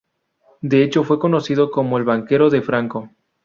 De hecho fue conocido como el "banquero de Franco".